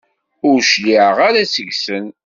Ur cliɛeɣ ara seg-sen.